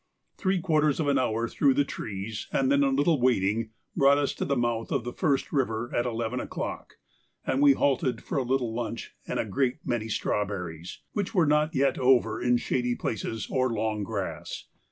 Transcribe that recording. Three quarters of an hour through the trees, and then a little wading, brought us to the mouth of the first river at eleven o'clock, and we halted for a little lunch and a great many strawberries, which were not yet over in shady places or long grass.